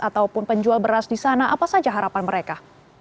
ataupun penjual beras di sana apa saja harapan mereka